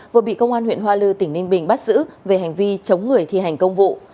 vừa bị công an huyện hoa lư tỉnh ninh bình bắt giữ về hành vi chống người thi hành công vụ